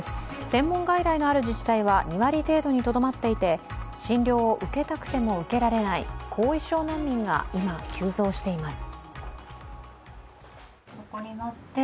専門外来のある自治体は２割程度にとどまっていて、診療を受けたくても受けられない後遺症難民が今、急増しています。